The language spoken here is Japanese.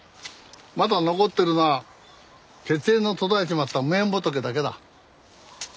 まだ残ってるのは血縁の途絶えちまった無縁仏だけだ。